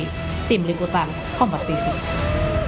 kepala pembangunan jatah jatuh dan jatuh